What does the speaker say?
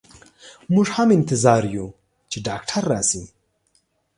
مو ږ هم انتظار يو چي ډاکټر راشئ.